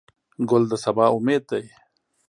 ګل د سبا امید دی.